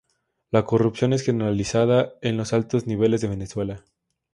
La corrupción es generalizada en los altos niveles de Venezuela.